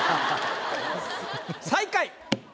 最下位。